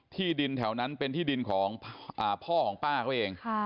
ที่ดินแถวนั้นเป็นที่ดินของพ่อของป้าเขาเอง